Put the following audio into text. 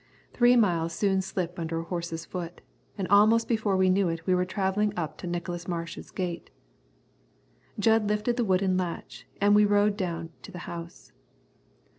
Three miles soon slip under a horse's foot, and almost before we knew it we were travelling up to Nicholas Marsh's gate. Jud lifted the wooden latch and we rode down to the house.